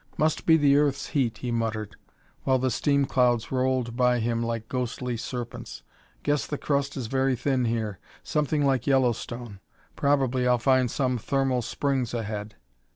"Must be the earth's heat," he muttered, while the steam clouds rolled by him like ghostly serpents. "Guess the crust is very thin here something like Yellowstone. Probably I'll find some thermal springs ahead."